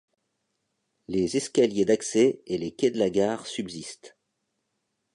Les escaliers d'accès et les quais de la gare subsistent.